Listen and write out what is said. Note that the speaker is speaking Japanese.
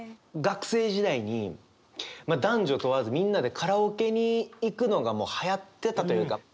学生時代に男女問わずみんなでカラオケに行くのがはやってたというか。